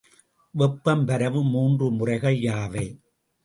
வெப்பம் பரவும் மூன்று முறைகள் யாவை?